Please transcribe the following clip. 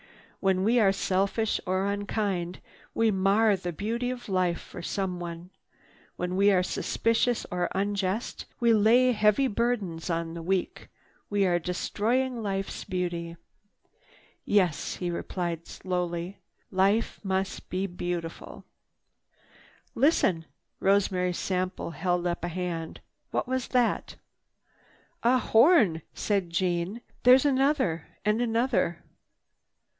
When we are selfish or unkind we mar the beauty of life for someone. When we are suspicious or unjust, when we lay heavy burdens on the weak, we are destroying life's beauty. "Yes," he repeated slowly, "life must be beautiful." "Listen!" Rosemary Sample held up a hand. "What was that?" "A horn," said Jeanne. "There's another and another.